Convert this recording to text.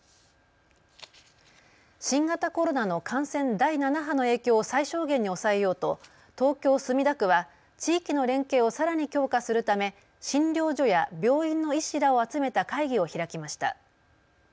新型コロナの感染第７波の影響を最小限に抑えようと東京墨田区は地域の連携をさらに強化するため診療所や病院の医師らを集めた会議を開きました。